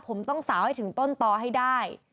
ผมต้องสาวให้ถึงต้นต่อให้ได้